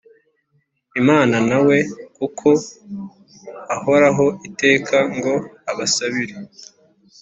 Imana na we kuko ahoraho iteka ngo abasabire